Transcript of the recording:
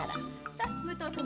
さあ武藤様。